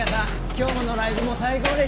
今日のライブも最高でした！